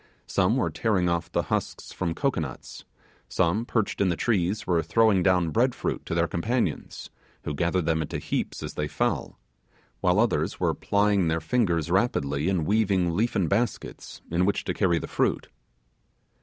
Some were tearing off the husks from cocoanuts; some perched in the trees were throwing down bread fruit to their companions, who gathered them into heaps as they fell; while others were plying their fingers rapidly in weaving leafen baskets in which to carry the fruit.